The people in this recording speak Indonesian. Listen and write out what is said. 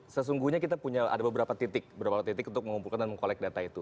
sesungguhnya kita punya ada beberapa titik beberapa titik untuk mengumpulkan dan mengkolek data itu